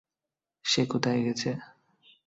সে কোথায় গেছে?